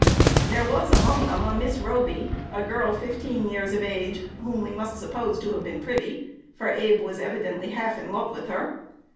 There was among them a Miss Roby, a girl fifteen years of age, whom we must suppose to have been pretty, for Abe was evidently half in love with her.